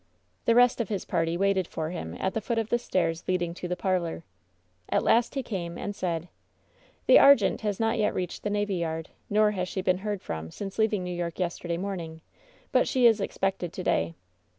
The rest of his party waited for him at the foot of the stairs leading to the parlor. At last he came and said : "The Argente has not yet reached the navy yard, nor has she been heard from since leaving New York yester day morning, but she is expected to day.'